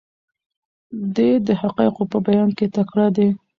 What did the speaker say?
دی د حقایقو په بیان کې تکړه دی.